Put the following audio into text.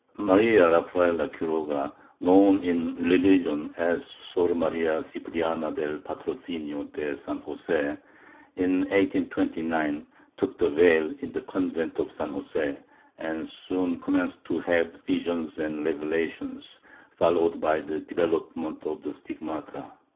Maria Rafaela Quiroga, known in religion as Sor Maria Cipriana del Patrocinio de San Jose, in 1829 took the veil in the convent of San Jose, and soon commenced to have visions and revelations, followed by the development of the stigmata.